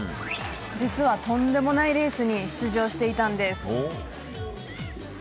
実は、とんでもないレースに出場していたんです。